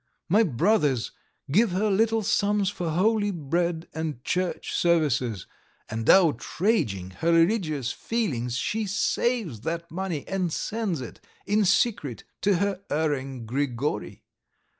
My brothers give her little sums for holy bread and church services, and outraging her religious feelings, she saves that money and sends it in secret to her erring Grigory.